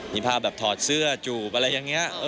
มีภาพแบบถอดเสื้อจูบอะไรอย่างนี้